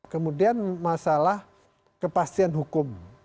kemudian masalah kepastian hukum